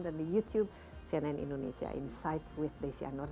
dan di youtube cnn indonesia insight with desi anwar